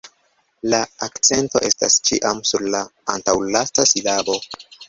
La akcento estas ĉiam sur la antaŭlasta silabo.